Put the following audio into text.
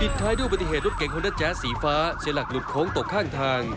ท้ายด้วยปฏิเหตุรถเก่งฮอนด้าแจ๊สสีฟ้าเสียหลักหลุดโค้งตกข้างทาง